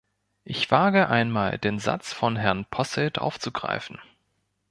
Ich wage einmal, den Satz von Herrn Posselt aufzugreifen.